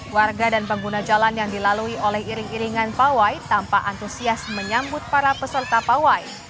warga dan pengguna jalan yang dilalui oleh iring iringan pawai tampak antusias menyambut para peserta pawai